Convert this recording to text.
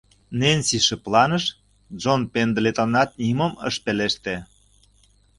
Ненси шыпланыш, Джон Пендлетонат нимом ыш пелеште.